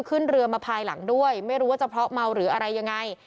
ขึ้นเรือมาภายหลังด้วยไม่รู้ว่าจะเพราะเมาหรืออะไรยังไง